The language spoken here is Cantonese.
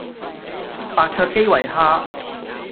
白灼基圍蝦